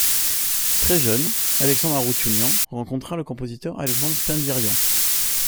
Très jeune, Alexandre Aroutiounian rencontra le compositeur Alexandre Spendiarian.